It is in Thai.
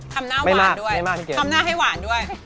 ทำหน้าให้หวานด้วย